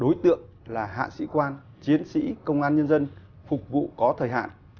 đối tượng là hạ sĩ quan chiến sĩ công an nhân dân phục vụ có thời hạn